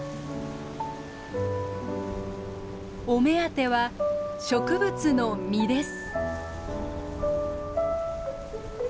お目当ては植物の実です。